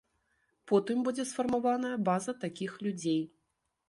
Потым будзе сфармаваная база такіх людзей.